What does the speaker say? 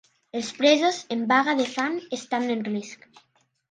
Els presos en vaga de fam estan en risc